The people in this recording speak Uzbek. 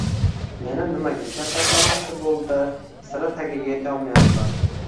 Meni nimaga kaltaklamoqchi bo‘ldi, sira tagiga yetolmayapman